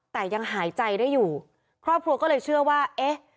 แต่ยังหายใจได้อยู่ครอบครัวก็เลยเชื่อว่าเอ๊ะ